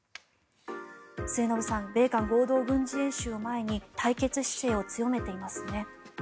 末延さん米韓合同軍事演習を前に対決姿勢を強めていますね。